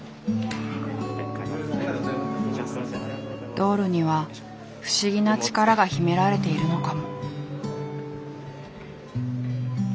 ドールには不思議な力が秘められているのかも。